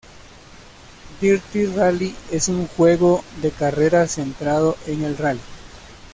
Dirt Rally es un videojuego de carreras centrado en el rally.